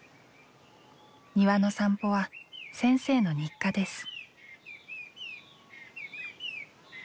庭の散歩は先生の日課です。